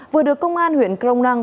vừa được công an huyện crong năng